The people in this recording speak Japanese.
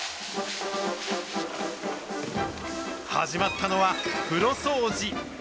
始まったのは風呂掃除。